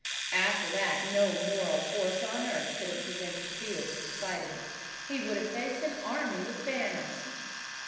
After that, no moral force on earth could have prevented Felix from fighting. He would have faced an army with banners.